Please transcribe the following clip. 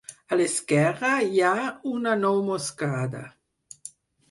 A l'esquerra hi ha una nou moscada.